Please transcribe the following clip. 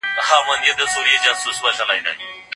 د يهودانو په اړه معلومات راغونډ سول.